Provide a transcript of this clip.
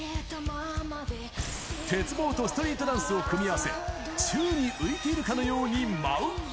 鉄棒とストリートダンスを組み合わせ、宙に浮いているかのように舞う。